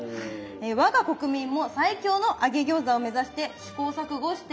我が国民も最強の揚げ餃子を目指して試行錯誤しています。